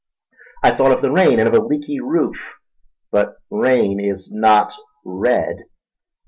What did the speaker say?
I thought of the rain and of a leaky roof, but rain is not red.